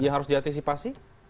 yang harus diantisipasi